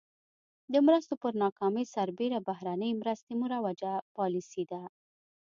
د مرستو پر ناکامۍ سربېره بهرنۍ مرستې مروجه پالیسي ده.